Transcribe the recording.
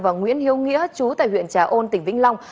và nguyễn hiếu nghĩa chú tại huyện trà ôn tỉnh vĩnh long